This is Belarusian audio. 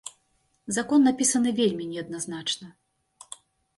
Закон напісаны вельмі неадназначна.